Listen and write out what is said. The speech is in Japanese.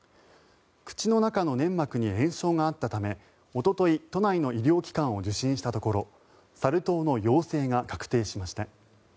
口の中の粘膜に炎症があったためおととい、都内の医療機関を受診したところサル痘の陽性が確定しました。